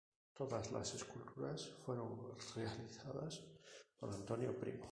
Todas las esculturas fueron realizadas por Antonio Primo.